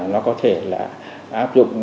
nó có thể là áp dụng